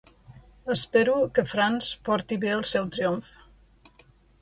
Espero que Franz porti bé el seu triomf.